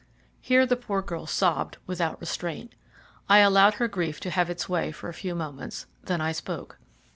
Here the poor girl sobbed without restraint. I allowed her grief to have its way for a few moments, then I spoke.